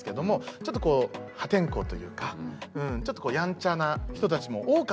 ちょっとこう破天荒というかちょっとやんちゃな人たちも多かったと思うんですよ。